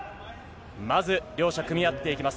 まず両者組み合っていきます。